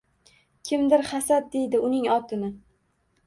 Kimdir “Hasad” deydi uning otini